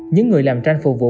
những người làm tranh phụ vụ